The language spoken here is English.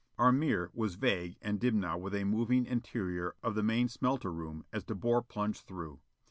Our mirror was vague and dim now with a moving interior of the main smelter room as De Boer plunged through.